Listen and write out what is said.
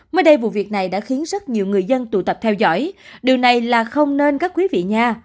mới đây vụ việc này đã khiến rất nhiều người dân tụ tập theo dõi điều này là không nên các quý vị nhà